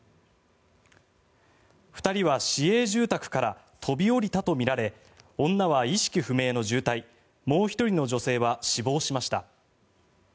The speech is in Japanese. ２人は市営住宅から飛び降りたとみられ女は意識不明の重体もう１人の女性は死亡しました。